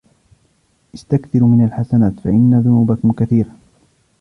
اسْتَكْثِرُوا مِنْ الْحَسَنَاتِ فَإِنَّ ذُنُوبَكُمْ كَثِيرَةٌ